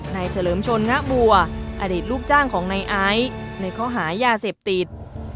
เฉลิมชนงะบัวอดีตลูกจ้างของนายไอซ์ในข้อหายาเสพติด